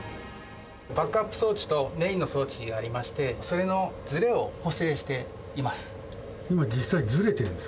バックアップ装置と、メインの装置がありまして、それのずれを補正しています。